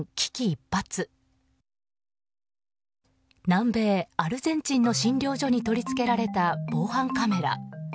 南米アルゼンチンの診療所に取り付けられた防犯カメラ。